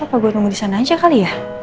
apa gue nunggu disana aja kali ya